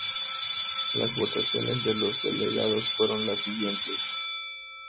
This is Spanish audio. Las votaciones de los delegados fueron las siguientes;